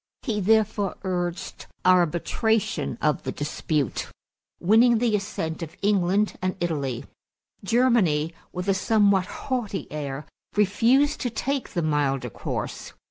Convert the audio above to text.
He therefore urged arbitration of the dispute, winning the assent of England and Italy. Germany, with a somewhat haughty air, refused to take the milder course.